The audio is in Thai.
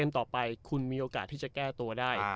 ต่อไปคุณมีโอกาสที่จะแก้ตัวได้